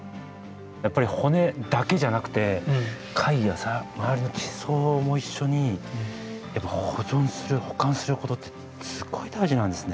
やっぱり骨だけじゃなくて貝や周りの地層も一緒に保存する保管することってすごい大事なんですね。